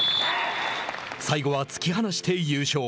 最後は突き放して優勝。